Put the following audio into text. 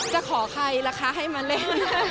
จะขอใครล่ะคะให้มาเล่น